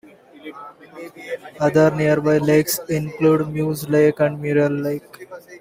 Other nearby lakes include Moose Lake and Muriel Lake.